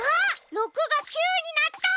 ６が９になった！